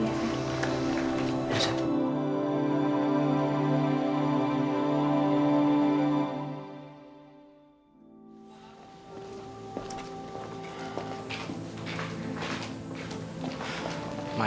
lo itu ndre pernah bangun di mana